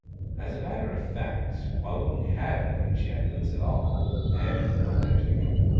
As a matter of fact, Waung had no enchantments at all, and no Magic.